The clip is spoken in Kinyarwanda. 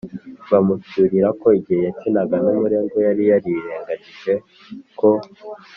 Bamucyurira ko igihe yakinaga n’umurengwe, yari yarirengagije ko